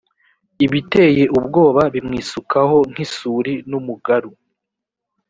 ibiteye ubwoba bimwisukaho nk isuri n umugaru